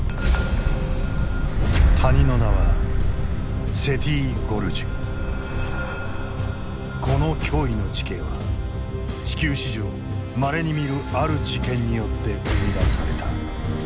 谷の名はこの驚異の地形は地球史上まれに見るある事件によって生み出された。